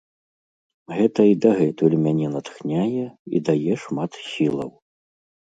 Гэта і дагэтуль мяне натхняе і дае шмат сілаў.